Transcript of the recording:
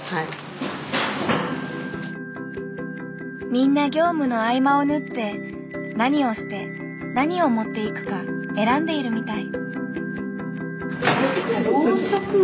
みんな業務の合間を縫って何を捨て何を持っていくか選んでいるみたい。